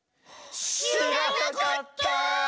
しらなかった！